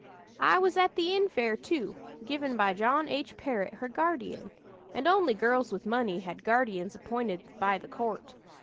"I was at the infare, too, given by John H. Parrott, her guardian, and only girls with money had guardians appointed by the court.